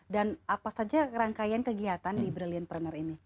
dan apa saja rangkaian kegiatan di brilliant planner ini